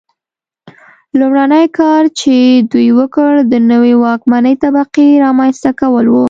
لومړنی کار چې دوی وکړ د نوې واکمنې طبقې رامنځته کول و.